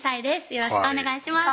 よろしくお願いします